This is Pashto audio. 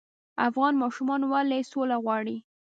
افغان ماشومان ولې سوله غواړي؟